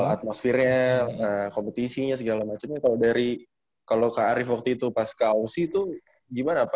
atmosfirnya kompetisinya segala macemnya kalo dari kalo ke arief waktu itu pas ke aussie tuh gimana apa